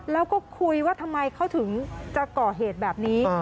แล้วก็คุยว่าทำไมเขาถึงจะก่อเหตุแบบนี้